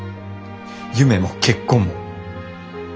夢も結婚も。